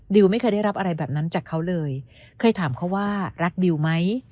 ไม่เคยได้รับอะไรแบบนั้นจากเขาเลยเคยถามเขาว่ารักดิวไหม